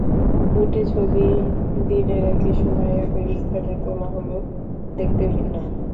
দুটি ছবিই দিনের একই সময়ে, একই স্থানে তোলা হলেও দেখতে ভিন্ন।